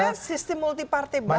karena sistem multipartai banyak